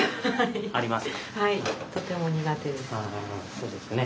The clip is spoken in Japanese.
そうですよね。